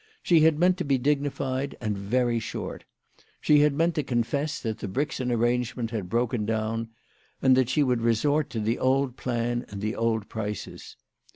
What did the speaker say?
She had meant to be dignified and very short. She had meant to confess that the Brixen arrangement had broken down, and that she would resort to the old plan and the old prices.